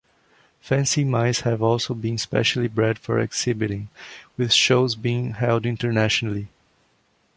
Fancy mice have also been specially bred for exhibiting, with shows being held internationally.